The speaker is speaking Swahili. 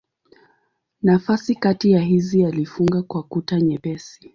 Nafasi kati ya hizi alifunga kwa kuta nyepesi.